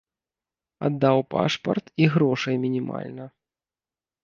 Аддаў пашпарт і грошай мінімальна.